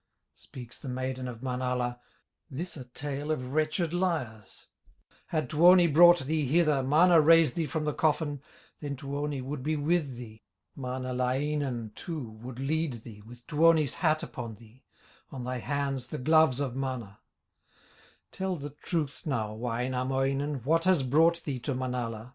Speaks the maiden of Manala: "This a tale of wretched liars; Had Tuoni brought thee hither, Mana raised thee from the coffin, Then Tuoni would be with thee, Manalainen too would lead thee, With Tuoni's hat upon thee, On thy hands, the gloves of Mana; Tell the truth now, Wainamoinen, What has brought thee to Manala?"